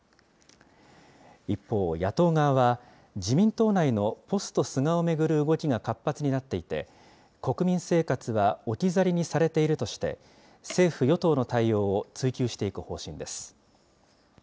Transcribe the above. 一方、野党側は、自民党内のポスト菅を巡る動きが活発になっていて、国民生活は置き去りにされているとして、政府・与党の対応を追及していく方針です。